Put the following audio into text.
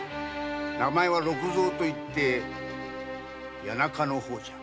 名前は六造といって谷中の方じゃ。